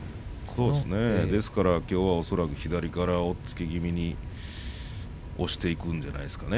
ですから、きょうは左から押っつけ気味に押していくんじゃないですかね。